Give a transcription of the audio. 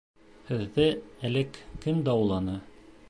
Һеҙҙе элек кем дауаланы?